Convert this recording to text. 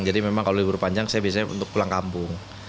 jadi memang kalau libur panjang saya biasanya untuk pulang kampung